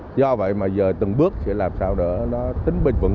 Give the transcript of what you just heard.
do vậy mà giờ từng bước sẽ làm sao để nó tính bình vững